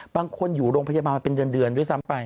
บางคนอยู่โรงพยาบาลมาเป็นเดือนด้วยซ้ำไป